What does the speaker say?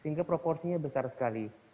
sehingga proporsinya besar sekali